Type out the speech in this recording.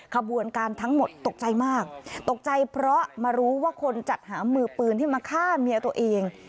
ขบวนการทั้งหมดตกใจมากตกใจเพราะมารู้ว่าคนจัดหามือปืนที่มาฆ่าเมียตัวเอง